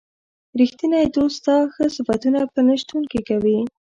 ریښتینی دوست ستا ښه صفتونه په نه شتون کې کوي.